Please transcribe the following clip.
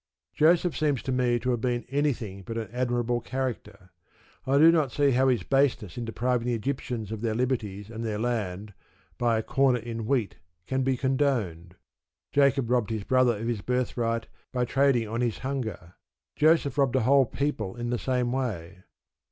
Joseph seems to me to have been anything but an admirable character, and I do not see how his baseness in depriving the Egyptians of their liberties and their land by a corner in wheat can be condoned. Jacob robbed his brother of his birthright by trading on his hunger; Joseph robbed a whole people in the same way.